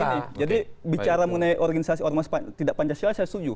jadi bicara mengenai organisasi ormas tidak pancasila saya setuju